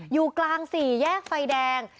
อยู่กลางสี่แยกไฟแดง